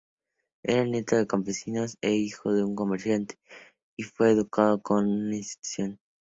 Era nieto de campesinos e hijo de comerciantes, y fue educado en un instituto.